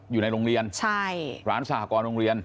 อยู่ในโรงเรียนใช่ร้านสหกรณ์โรงเรียน